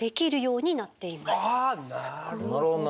あなるほど。